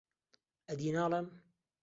ئەدی ناڵێم